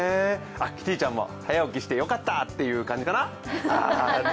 キティちゃんも早起きしてよかったという感じかな。